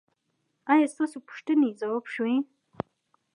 ایا ستاسو پوښتنې ځواب شوې؟